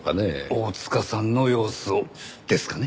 大塚さんの様子をですかね？